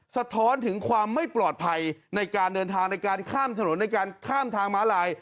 สะท้อนถึงความไม่ปลอดภัยในการเดินทางในการข้ามถนนในการข้ามทางม้าลาย